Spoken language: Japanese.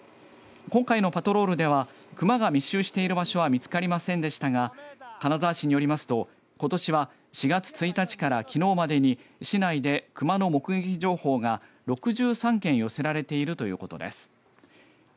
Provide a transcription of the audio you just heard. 今回のパトロールではクマが密集している場所は見つかりませんでしたが金沢市によりますと、ことしは４月１日からきのうまでに市内でクマの目撃情報が６３件、寄せられているということです。